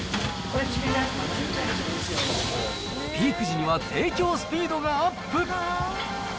これ、ピーク時には提供スピードがアップ。